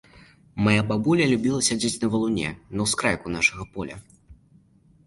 Мая бабуля любіла сядзець на валуне на ўскрайку нашага поля.